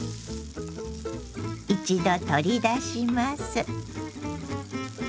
一度取り出します。